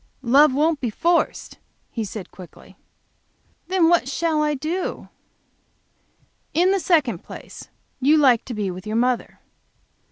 "Love won't be forced," he said, quickly. "Then what shall I do?" "In the second place, you like to be with your mother.